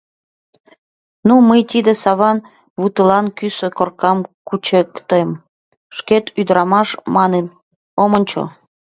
Ну, мый тиде Саван ватылан кӱсӧ коркам кучыктем, шкет ӱдырамаш манын, ом ончо.